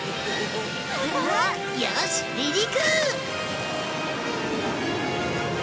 よしっ離陸！